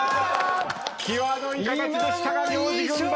際どい形でしたが行司軍配